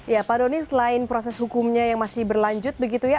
ya pak doni selain proses hukumnya yang masih berlanjut begitu ya